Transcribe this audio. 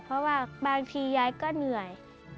เพราะว่าบางทียายก็เหนื่อย